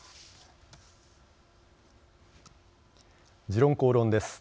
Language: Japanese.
「時論公論」です。